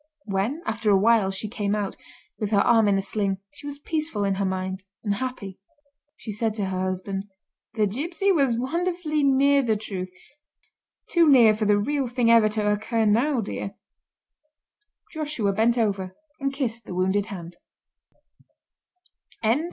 When, after a while, she came out, with her arm in a sling, she was peaceful in her mind and happy. She said to her husband: "The gipsy was wonderfully near the truth; too near for the real thing ever to occur now, dear." Joshua bent over and kissed the wounded hand.